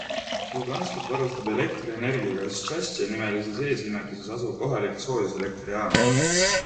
Luganskit varustab elektrienergiaga Štšastja-nimelises eeslinnakeses asuv kohalik soojuselektrijaam.